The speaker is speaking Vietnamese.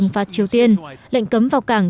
phạt triều tiên lệnh cấm vào cảng